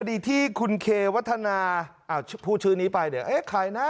พอดีที่คุณเคเวทนาอ่าชี้ผู้ชื่อนี้ไปเลยเอ๊ะไขนะ